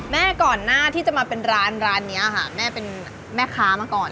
ก่อนหน้าที่จะมาเป็นร้านร้านนี้ค่ะแม่เป็นแม่ค้ามาก่อน